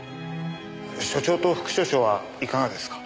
署長と副署長はいかがですか？